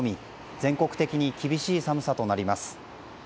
全国的に厳しい寒さとなります。